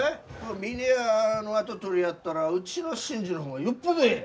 峰屋の跡取りやったらうちの伸治の方がよっぽどえい！